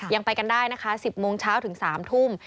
ยังไปกันได้นะคะ๑๐โมงเช้าถึง๓ทุ่ม